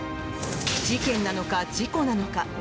事件なのか事故なのか？